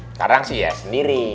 sekarang sih ya sendiri